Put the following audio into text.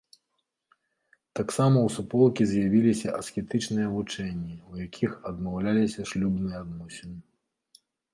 Таксама ў суполкі з'явіліся аскетычныя вучэнні, у якіх адмаўляліся шлюбныя адносіны.